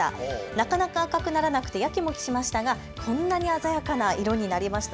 なかなか赤くならなくてやきもきしましたがこんなに鮮やかな色になりました。